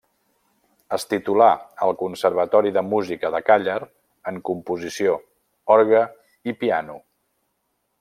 Es titulà al conservatori de música de Càller en composició, orgue i piano.